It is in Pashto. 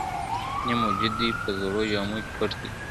نیم وجود دي په زړو جامو کي پټ دی ..